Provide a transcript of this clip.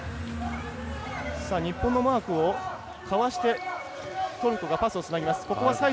日本のマークをかわしてトルコがパスをつなぎます。